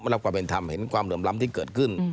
รับความเป็นธรรมเห็นความเหลื่อมล้ำที่เกิดขึ้น